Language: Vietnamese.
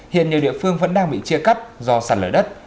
hiện nhiều địa phương vẫn đang bị chia cắt do sạt lở đất